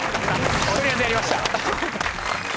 取りあえずやりました。